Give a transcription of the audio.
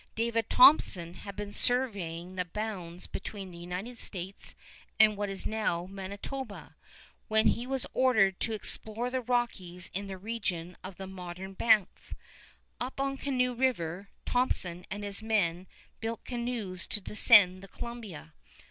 David Thompson had been surveying the bounds between the United States and what is now Manitoba, when he was ordered to explore the Rockies in the region of the modern Banff. Up on Canoe River, Thompson and his men build canoes to descend the Columbia.